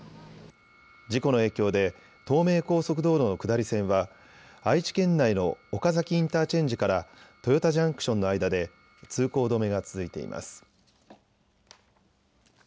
事故の影響で東名高速道路の下り線は愛知県内の岡崎インターチェンジから豊田ジャンクションの間で通行止めが続いています。